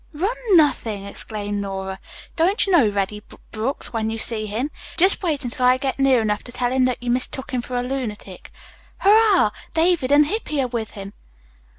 "Run nothing," exclaimed Nora. "Don't you know Reddy Brooks when you see him? Just wait until I get near enough to tell him that you mistook him for a lunatic. Hurrah! David and Hippy are with him."